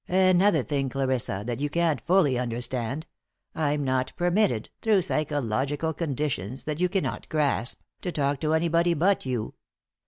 Another thing, Clarissa, that you can't fully understand I'm not permitted, through psychological conditions that you cannot grasp, to talk to anybody but you.